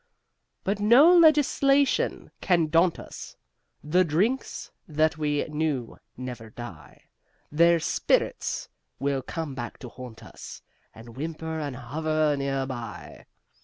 But no legislation can daunt us: The drinks that we knew never die: Their spirits will come back to haunt us And whimper and hover near by.